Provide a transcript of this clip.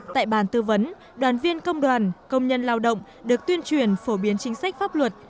tại bàn tư vấn đoàn viên công đoàn công nhân lao động được tuyên truyền phổ biến chính sách pháp luật